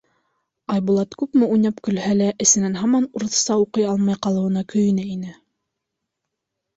Айбулат күпме уйнап көлһә лә, эсенән һаман урыҫса уҡый алмай ҡалыуына көйөнә ине.